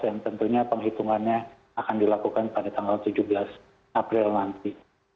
yang tentunya penghitungannya akan dilakukan pada tanggal tujuh belas april nanti